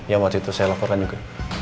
yang waktu itu saya laporkan juga